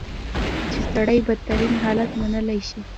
چې سړی بدترین حالت منلی شي.